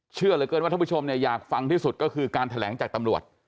เชื่อเหลือเกินว่าท่านผู้ชมเนี่ยอยากฟังที่สุดก็คือการแถลงจากตำรวจ